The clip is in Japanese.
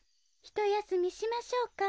・ひとやすみしましょうか。